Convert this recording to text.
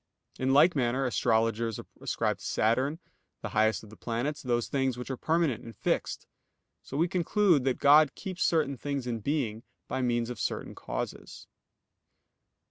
In like manner astrologers ascribe to Saturn, the highest of the planets, those things which are permanent and fixed. So we conclude that God keeps certain things in being, by means of certain causes.